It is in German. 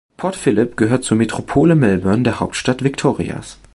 Port Phillip gehört zur Metropole Melbourne, der Hauptstadt Victorias.